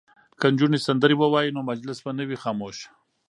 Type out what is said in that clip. که نجونې سندرې ووايي نو مجلس به نه وي خاموش.